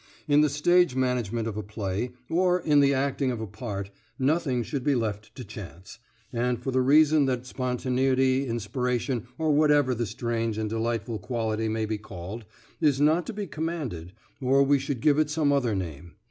In the stage management of a play, or in the acting of a part, nothing should be left to chance, and for the reason that spontaneity, inspiration, or whatever the strange and delightful quality may be called, is not to be commanded, or we should give it some other name.